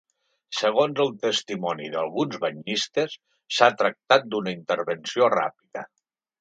Segons el testimoni d’alguns banyistes, s’ha tractat d’una intervenció ràpida.